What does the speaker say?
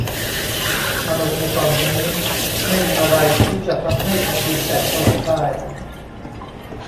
มันโอเคตอนนี้ ไม่มีอะไรที่จะทำให้แผ่นดินแตกสลายได้